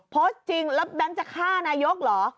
โพสต์จริงแล้วแบงค์จะฆ่านายกเหรอ